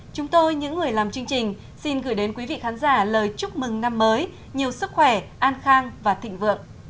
chúng tôi những người làm chương trình xin gửi đến quý vị khán giả lời chúc mừng năm mới nhiều sức khỏe an khang và thịnh vượng